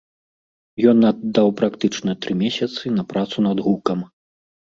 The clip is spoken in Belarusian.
Ён аддаў практычна тры месяцы на працу над гукам.